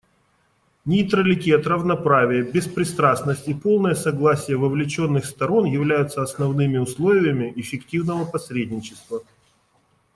Нейтралитет, равноправие, беспристрастность и полное согласие вовлеченных сторон являются основными условиями эффективного посредничества.